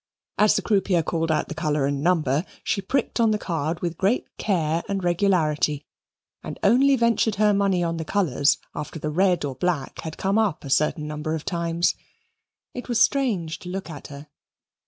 As the croupier called out the colour and number, she pricked on the card with great care and regularity, and only ventured her money on the colours after the red or black had come up a certain number of times. It was strange to look at her.